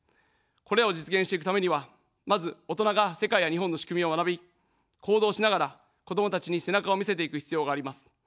これらを実現していくためには、まず、大人が世界や日本の仕組みを学び、行動しながら子どもたちに背中を見せていく必要があります。